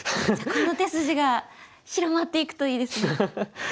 じゃあこの手筋が広まっていくといいですね。